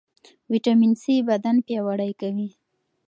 ویټامین سي بدن پیاوړی کوي.